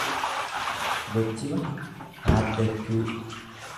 Gochima haaddachuu